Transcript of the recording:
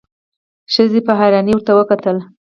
ښځې په حيرانی ورته وکتل.